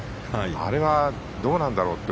あれはどうなんだろうって